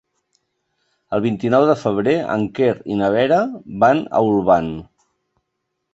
El vint-i-nou de febrer en Quer i na Vera van a Olvan.